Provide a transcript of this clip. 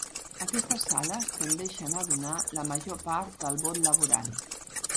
Aquestes sales tendeixen a donar la major part del vot laboral.